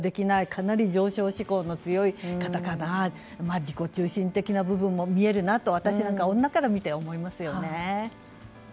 かなり上昇志向の強い方かなと自己中心的な部分も見えるなと私、女から見ても思いますよね。